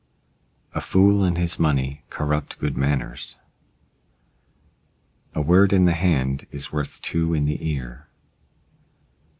A fool and his money corrupt good manners. A word in the hand is worth two in the ear.